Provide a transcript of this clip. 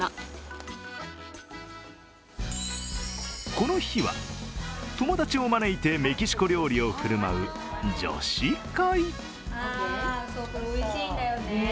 この日は友達を招いてメキシコ料理を振る舞う女子会。